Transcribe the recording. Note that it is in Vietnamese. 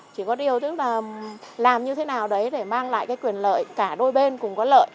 chỉ có điều tức là làm như thế nào đấy để mang lại cái quyền lợi cả đôi bên cùng có lợi